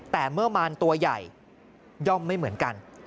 แต่เมื่อมารตัวใหญ่ย่อมไม่เหมือนกัน